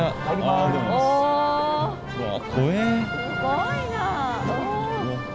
すごいな。